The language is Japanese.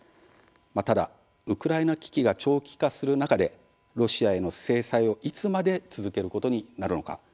ただウクライナ危機が長期化する中でロシアへの制裁をいつまで続けることになるのか。